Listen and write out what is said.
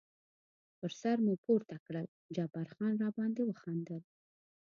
پر سر مو پورته کړل، جبار خان را باندې وخندل.